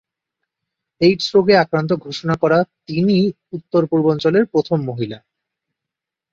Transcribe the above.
AIDS রোগে আক্রান্ত ঘোষণা করা তিনিই উত্তর-পূর্বাঞ্চলের প্রথম মহিলা।